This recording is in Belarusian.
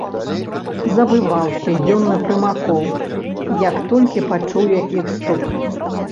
Забываўся ён на прымакоў, як толькі пачуе іх стук.